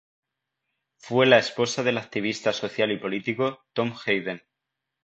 Fue la esposa del activista social y político Tom Hayden.